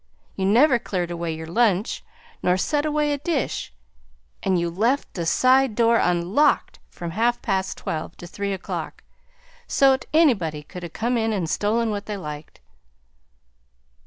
You never cleared away your lunch nor set away a dish, AND YOU LEFT THE SIDE DOOR UNLOCKED from half past twelve to three o'clock, so 't anybody could 'a' come in and stolen what they liked!"